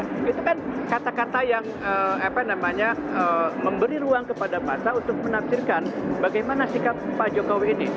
itu kan kata kata yang memberi ruang kepada masa untuk menafsirkan bagaimana sikap pak jokowi ini